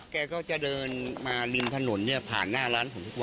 แกก็จะเดินมาริมถนนผ่านหน้าร้านของทุกวัน